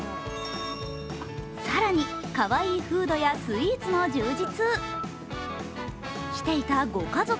更にかわいいフードやスイーツも充実。